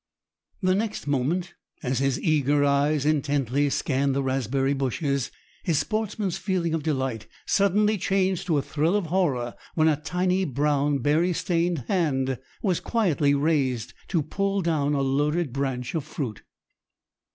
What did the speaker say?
The next moment, as his eager eyes intently scanned the raspberry bushes, his sportsman's feeling of delight suddenly changed to a thrill of horror when a tiny brown, berry stained hand was quietly raised to pull down a loaded branch of fruit.